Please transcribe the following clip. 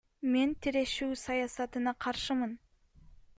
Мен тирешүү саясатына каршымын.